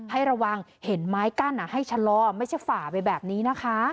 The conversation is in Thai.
ให้ระวังเห็นไม้กั้นให้ชะลอไม่ใช่ฝ่าไปแบบนี้นะคะ